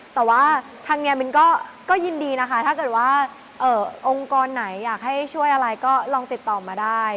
แต่ว่าทางนี้มินก็ยินดีนะคะถ้าเกิดว่าองค์กรไหนอยากให้ช่วยอะไรก็ลองติดต่อมาได้